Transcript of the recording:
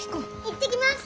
行ってきます。